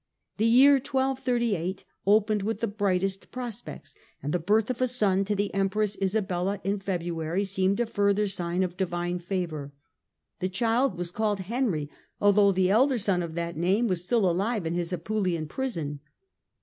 The year 1238 opened with the brightest prospects, and the birth of a son to the Empress Isabella in February seemed a further sign of divine favour. The child was called Henry, although the elder son of that name was still alive in his Apulian prison.